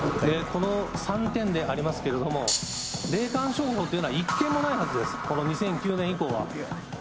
この３点でありますけれども、霊感商法というのは１件もないはずです、この２００９年以降は。